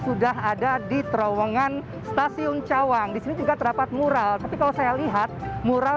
sudah ada di terowongan stasiun cawang disini juga terdapat mural tapi kalau saya lihat mural